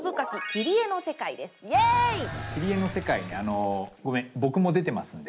「切り絵の世界」にあのごめん僕も出てますんで。